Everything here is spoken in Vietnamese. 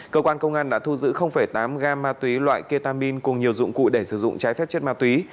cơ quan công an đã thu giữ tám gam ma túy loại ketamin cùng nhiều dụng cụ để sử dụng trái phép chất ma túy